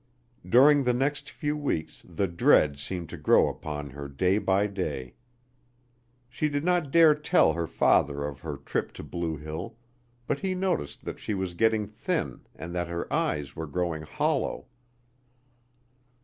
During the next few weeks the dread seemed to grow upon her day by day. She did not dare tell her father of her trip to Blue Hill, but he noticed that she was getting thin and that her eyes were growing hollow.